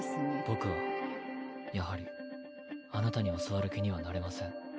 僕はやはりあなたに教わる気にはなれません。